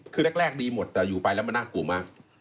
คือแรกดีหมดแต่อยู่ไปแล้วมันน่ากลัวมาก